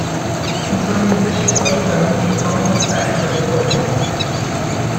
Concerning Bishop Oedgrim the following facts are recorded.